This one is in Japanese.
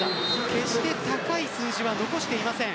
決して高い数字は残していません。